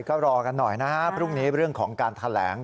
ก็รอกันหน่อยนะครับพรุ่งนี้เรื่องของการแถลง